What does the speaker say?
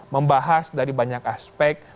membahas dari banyak aspek